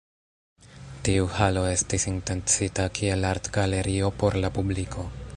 Tiu Halo estis intencita kiel artgalerio por la publiko.